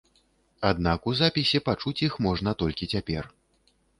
Аднак у запісе пачуць іх можна толькі цяпер.